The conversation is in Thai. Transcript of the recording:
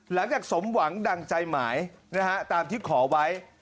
หลังจากสมหวังดั่งใจหมายนะฮะตามที่ขอไว้